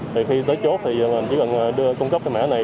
thì khi tới chốt thì mình chỉ cần đưa cung cấp cái mã này